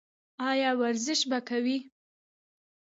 ایا ورزش به کوئ؟